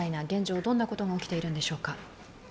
現状、どんなことが起きているんでしょうか。